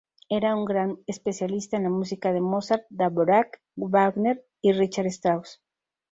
Era un gran especialista en la música de Mozart, Dvorak, Wagner y Richard Strauss.